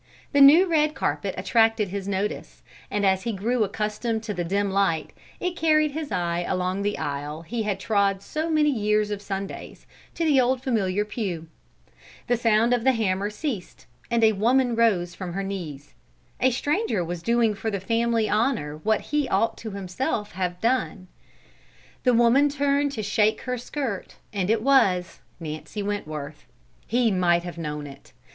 The new red carpet attracted his notice, and as he grew accustomed to the dim light, it carried his eye along the aisle he had trod so many years of Sundays, to the old familiar pew. The sound of the hammer ceased and a woman rose from her knees. A stranger was doing for the family honour what he ought himself to have done. The woman turned to shake her skirt, and it was Nancy Wentworth. He might have known it.